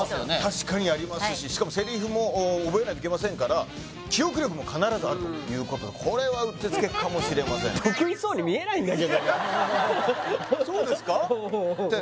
確かにありますししかもセリフも覚えないといけませんからということでこれはうってつけかもしれませんそうですか？